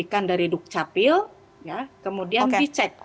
diberikan dari duk capil kemudian dicet